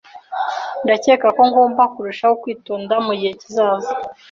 Ndakeka ko ngomba kurushaho kwitonda mugihe kizaza